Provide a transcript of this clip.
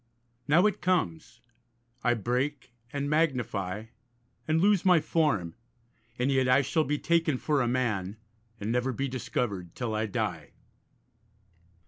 Now it comes; I break, and magnify, and lose my form, And yet I shall be taken for a man, And never be discovered till I die.